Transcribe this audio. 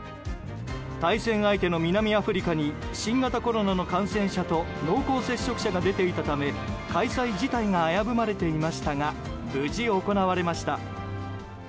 対戦相手の南アフリカに新型コロナの感染者と濃厚接触者が出ていたため開催自体が危ぶまれていましたが無事、行われました。